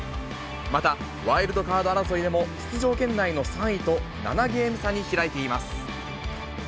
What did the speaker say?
またワイルドカード争いでも出場圏内の３位と、７ゲーム差に開いています。